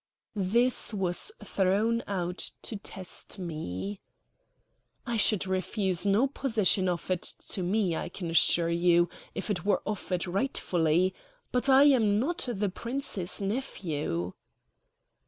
This was thrown out to test me. "I should refuse no position offered to me, I can assure you, if it were offered rightfully. But I am not the Prince's nephew."